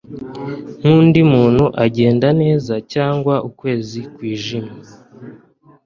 nk'undi muntu ugenda neza, cyangwa ukwezi kwijimye